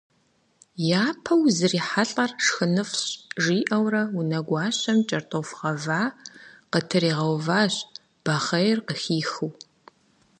- Япэ узрихьэлӀэр шхыныфӀщ, - жиӀэурэ унэгуащэм кӀэртӀоф гъэва къытригъэуващ, бахъейр къыхихыу.